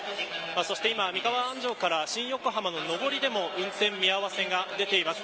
そして今、三河安城から新横浜の上りでも運転見合わせが出ています。